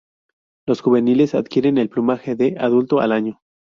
Los juveniles adquieren el plumaje de adulto al año.